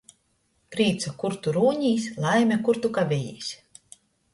Prīca, kur tu rūnīs, laime, kur tu kavejīs?